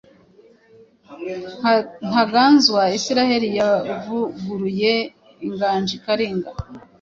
Ntaganzwa Israël yavuguruye "Inganji Karinga"